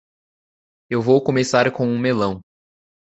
Eu vou começar com um melão.